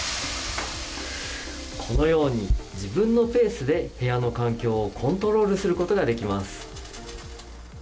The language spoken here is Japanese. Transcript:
このように自分のペースで部屋の環境をコントロールすることができます。